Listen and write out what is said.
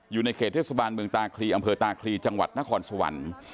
อยู่ในเขตเทศบาลเมืองตาคลีอำเภอตาคลีจังหวัดนครสวรรค์